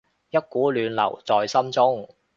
一股暖流在心中